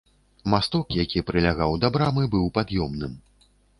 Масток, які прылягаў да брамы, быў пад'ёмным.